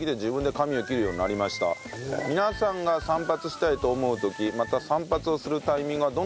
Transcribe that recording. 皆さんが散髪したいと思う時また散髪をするタイミングはどんな時ですか？